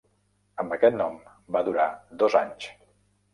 Amb aquest nom van durar dos anys.